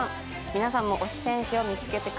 皆さんも推し選手を見つけてください。